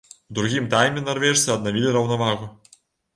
У другім тайме нарвежцы аднавілі раўнавагу.